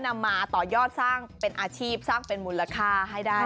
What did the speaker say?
นำมาต่อยอดสร้างเป็นอาชีพสร้างเป็นมูลค่าให้ได้